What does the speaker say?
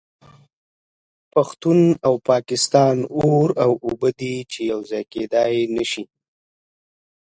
پښتون او پاکستان اور او اوبه دي چې یو ځای کیدای نشي